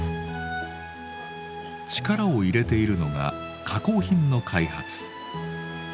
力を入れているのが加工品の開発。